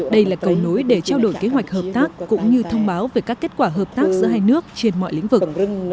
đây là cầu nối để trao đổi kế hoạch hợp tác cũng như thông báo về các kết quả hợp tác giữa hai nước trên mọi lĩnh vực